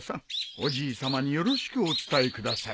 おじいさまによろしくお伝えください。